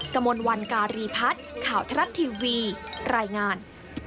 กระมวลวันการีพัฒน์ข่าวทรัฐทีวีรายงาน